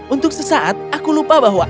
untuk sesaat aku lupa bahwa